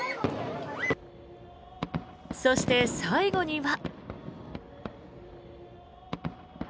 そして最後には。